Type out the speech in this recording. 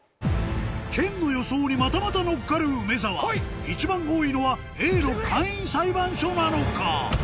研の予想にまたまた乗っかる梅沢一番多いのはＡの簡易裁判所なのか？